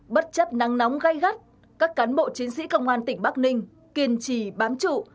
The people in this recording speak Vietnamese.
bất chấp nắng nóng gây gắt các cán bộ chiến sĩ công an tỉnh bắc ninh kiên trì bám trụ